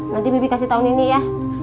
nanti bibi kasih tahun ini ya